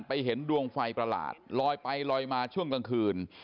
เห็นดวงไฟประหลาดลอยไปลอยมาช่วงกลางคืน